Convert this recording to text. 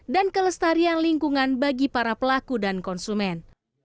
dan kelestarian lingkungan bagi para pelaku dan konsumen